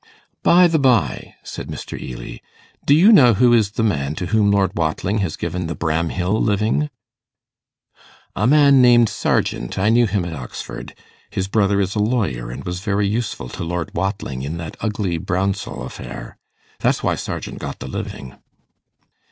'By the by,' said Mr. Ely, 'do you know who is the man to whom Lord Watling has given the Bramhill living?' 'A man named Sargent. I knew him at Oxford. His brother is a lawyer, and was very useful to Lord Watling in that ugly Brounsell affair. That's why Sargent got the living.